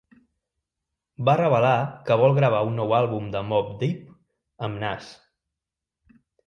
Va revelar que vol gravar un nou àlbum de Mobb Deep amb Nas.